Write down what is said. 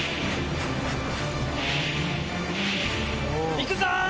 行くぞ！